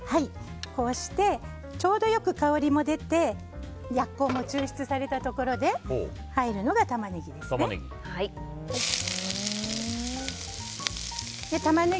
こうしてちょうど良く香りも出て薬効も抽出されたところで入るのがタマネギですね。